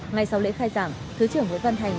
ngay sau lễ khai giảng thứ trưởng nguyễn văn thành